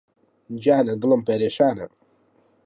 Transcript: گیانە دڵم پەرێشانە